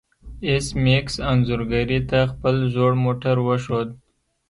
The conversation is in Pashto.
ایس میکس انځورګرې ته خپل زوړ موټر وښود